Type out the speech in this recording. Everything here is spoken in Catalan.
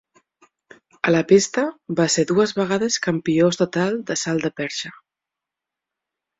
A la pista, va ser dues vegades campió estatal de salt de perxa.